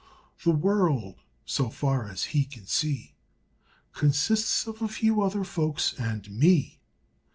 "The world," so far as he can see, "Consists of a few other folks and ME."